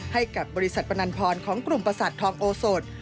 ให้กับบริษัทปนันพรของกลุ่มประสาททองโอสด